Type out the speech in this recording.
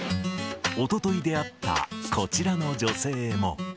おととい出会ったこちらの女